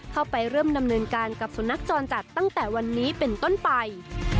เข้าไปเริ่มดำเนินการกับสุนัขจรจัดตั้งแต่วันนี้เป็นต้นไป